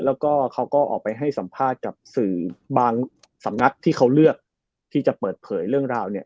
แล้วก็เขาก็ออกไปให้สัมภาษณ์กับสื่อบางสำนักที่เขาเลือกที่จะเปิดเผยเรื่องราวเนี่ย